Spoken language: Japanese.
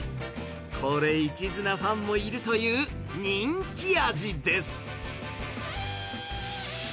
これ一途なファンもいるという人気味です。